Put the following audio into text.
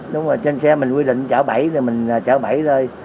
đúng rồi trên xe mình quy định chở bẫy mình chở bẫy thôi